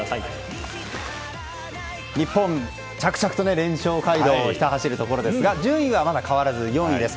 日本、着々と連勝街道をひた走るところですが順位は変わらず４位です。